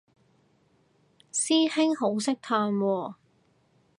師兄好識嘆喎